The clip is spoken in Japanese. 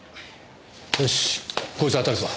よしこいつ当たるぞ。